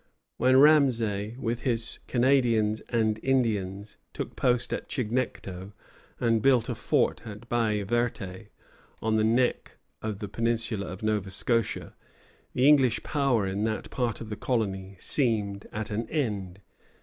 When Ramesay, with his Canadians and Indians, took post at Chignecto and built a fort at Baye Verte, on the neck of the peninsula of Nova Scotia, the English power in that part of the colony seemed at an end.